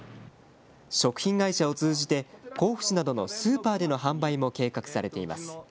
食品会社を通じて甲府市などのスーパーでの販売も計画されています。